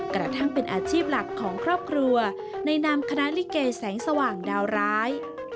กระทั่งเป็นอาชีพหลักของครอบครัวในนามคณะลิเกแสงสว่างดาวร้าย